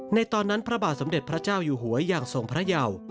ตอนนั้นพระบาทสมเด็จพระเจ้าอยู่หัวอย่างทรงพระเยา